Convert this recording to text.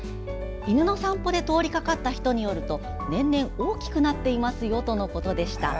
犬の散歩で通りかかった人によると年々大きくなっていますよとのことでした。